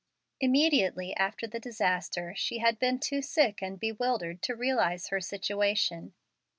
Immediately after the disaster she had been too sick and bewildered to realize her situation.